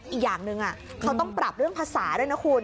อีกอย่างหนึ่งเขาต้องปรับเรื่องภาษาด้วยนะคุณ